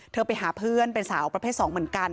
ไปหาเพื่อนเป็นสาวประเภท๒เหมือนกัน